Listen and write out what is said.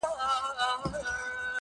جنګ بربادي لري دَ چا ګټه تاوان نۀ لري